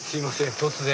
突然。